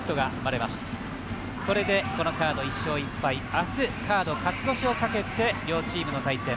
明日、カード勝ち越しをかけて両チームの対戦。